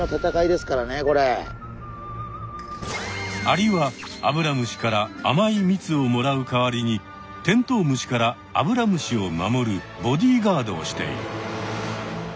アリはアブラムシからあまいみつをもらうかわりにテントウムシからアブラムシを守るボディーガードをしている。